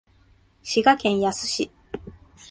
滋賀県野洲市